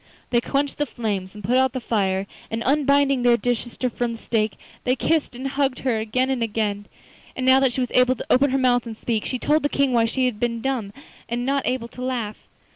They quenched the flames and put out the fire, and, unbinding their dear sister from the stake, they kissed and hugged her again and again. And now that she was able to open her mouth and speak, she told the King why she had been dumb and not able to laugh.